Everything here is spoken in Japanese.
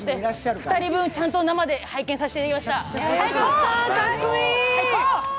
２人分、ちゃんと生で拝見させていただきました。